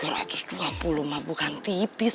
rp tiga ratus dua puluh mah bukan tipis